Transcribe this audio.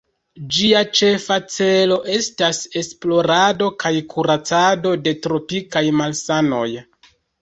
Ĝia ĉefa celo estas esplorado kaj kuracado de tropikaj malsanoj.